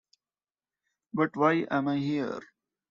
But why am I here?